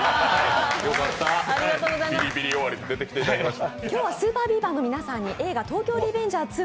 よかった、ビリビリ終わりで出てきていただきました。